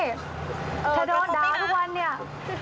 ถ้าโดนดาวน์ทุกวันเนี่ย